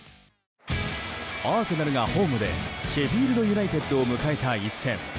アーセナルがホームでシェフィールド・ユナイテッドを迎えた一戦。